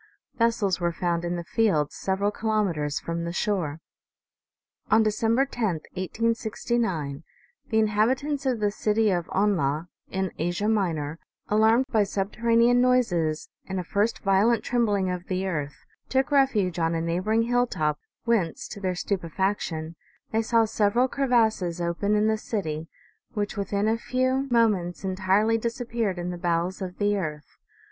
Vessels were found in the fields several kilometers from the shore. On December 10, 1869, tne inhabitants of the city of Onlah, in Asia Minor, alarmed by subterranean noises and a first violent trembling of the earth, took refuge on a neighboring hilltop, whence, to their stupefaction, they saw several crevasses open in the city which within a few OMEGA. " FLOATING BODIES INEXTRICABLY INTERLACED.' 164 OMEGA. moments entirely disappeared in the bowels of the earth.